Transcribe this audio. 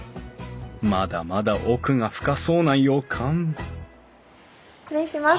まだまだ奥が深そうな予感失礼します。